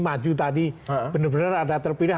maju tadi bener bener ada terpilih